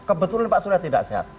kebetulan pak surya tidak sehat